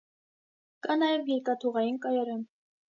Կա նաև երկաթուղային կայարան։